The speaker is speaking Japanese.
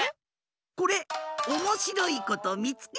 これおもしろいことみつけ